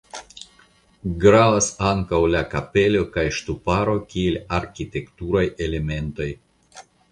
Gravas ankaŭ la kapelo kaj ŝtuparo kiel arkitekturaj elementoj.